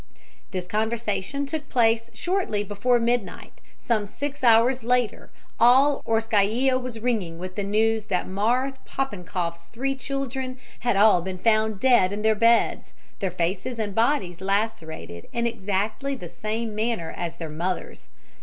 This conversation took place shortly before midnight; some six hours later all Orskaia was ringing with the news that Marthe Popenkoff's three children had all been found dead in their beds, their faces and bodies lacerated in exactly the same manner as their mother's.